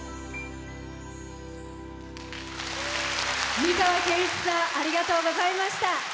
美川憲一さんありがとうございました。